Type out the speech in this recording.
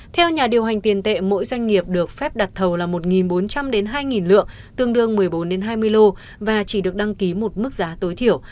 theo nhà điều hành tiền tệ mỗi doanh nghiệp được phép đặt thầu là một bốn trăm linh hai lượng và chỉ được đăng ký một mức giá tối thiểu